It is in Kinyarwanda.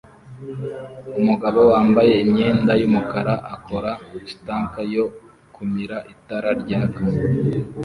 Umugabo wambaye imyenda yumukara akora stunt yo kumira itara ryaka